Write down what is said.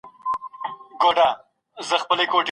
نجلۍ په ډېرې ځیرکۍ سره زما پوښتنو ته ځواب ورکاوه.